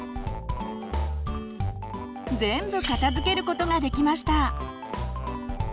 全部片づけることができました！